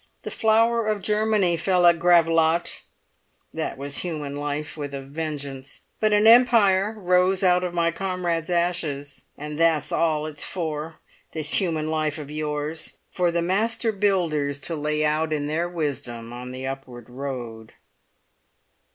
The flower of Germany fell at Gravelotte; that was human life with a vengeance! But an Empire rose out of my comrades' ashes. And that's all it's for, this human life of yours: for the master builders to lay out in their wisdom on the upward road."